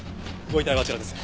ご遺体はあちらです。